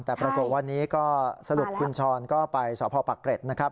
แต่ปรากฏวันนี้ก็สรุปคุณช้อนก็ไปสพปักเกร็ดนะครับ